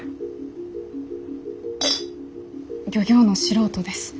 漁業の素人です。